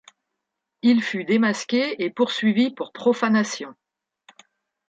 Il fut démasqué et poursuivi pour profanation.